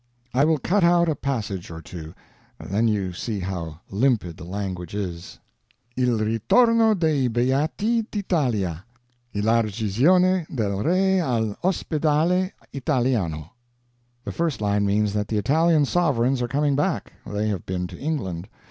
I will cut out a passage or two, then you see how limpid the language is: Il ritorno dei Beati d'Italia Elargizione del Re all' Ospedale italiano The first line means that the Italian sovereigns are coming back they have been to England.